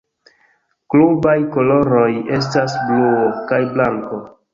Klubaj koloroj estas bluo kaj blanko.